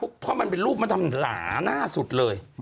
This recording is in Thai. เพราะว่ามันเป็นรูปอย่างหล่าน่าสุดเลย